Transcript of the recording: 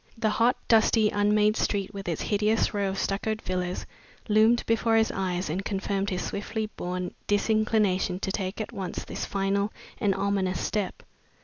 The hot, dusty, unmade street, with its hideous rows of stuccoed villas, loomed before his eyes and confirmed his swiftly born disinclination to taking at once this final and ominous step.